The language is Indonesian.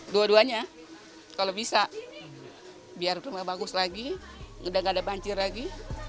dua duanya kalau bisa biar rumah bagus lagi dan nggak ada banjir lagi